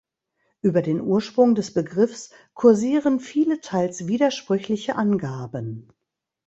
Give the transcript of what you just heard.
Über den Ursprung des Begriffs kursieren viele teils widersprüchliche Angaben.